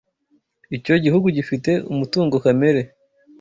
Icyo gihugu gifite umutungo kamere.